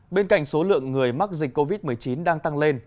bên cạnh số lượng người mắc dịch covid một mươi chín đang tăng lên